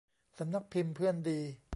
สำนักพิมพ์เพื่อนดี